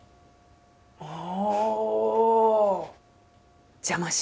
ああ！